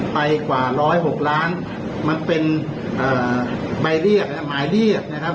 ไปกว่าร้อยหกล้านมันเป็นเอ่อใบเรียกหมายเรียกนะครับ